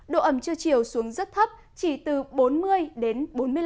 độ ẩm trưa chiều xuống rất thấp chỉ từ bốn mươi đến bốn mươi năm